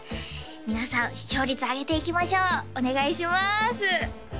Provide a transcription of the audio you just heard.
皆さん視聴率上げていきましょうお願いします